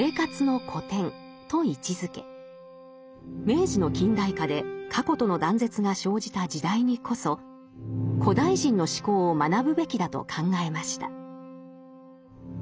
明治の近代化で過去との断絶が生じた時代にこそ古代人の思考を学ぶべきだと考えました。